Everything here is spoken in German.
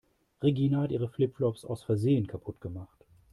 Regina hat ihre Flip-Flops aus Versehen kaputt gemacht.